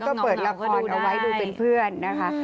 ก็เปิดละครเอาไว้ดูเป็นเพื่อนนะคะ